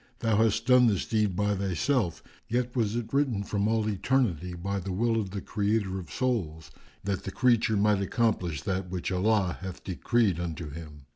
Thou hast done this deed by thyself, yet was it written from all eternity by the will of the Creator of Souls, that the creature might accomplish that which Allah hath decreed unto him.